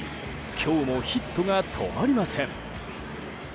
今日もヒットが止まりません。